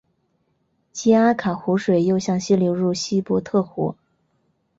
基阿卡湖水又向西流入亚伯特湖。